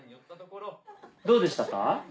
どうでしたか？